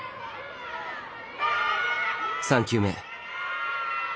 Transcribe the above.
３球目。